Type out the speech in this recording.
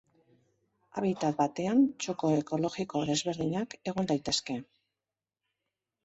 Habitat batean txoko ekologiko desberdinak egon daitezke.